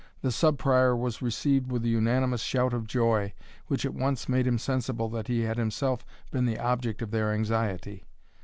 The Sub Prior was received with a unanimous shout of joy, which at once made him sensible that he had himself been the object of their anxiety.